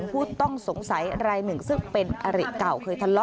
หน้าผู้ใหญ่ในจังหวัดคาดว่าไม่คนใดคนหนึ่งนี่แหละนะคะที่เป็นคู่อริเคยทำรักกายกันมาก่อน